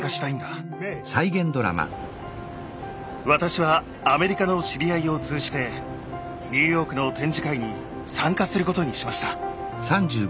私はアメリカの知り合いを通じてニューヨークの展示会に参加することにしました。